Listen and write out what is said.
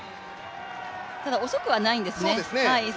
遅くはないんですね。